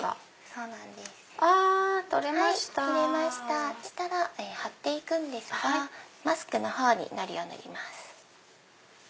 そしたら貼って行くんですがマスクのほうにのりを塗ります。